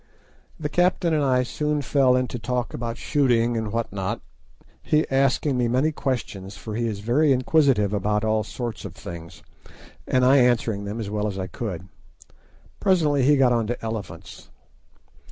The captain and I soon fell into talk about shooting and what not; he asking me many questions, for he is very inquisitive about all sorts of things, and I answering them as well as I could. Presently he got on to elephants.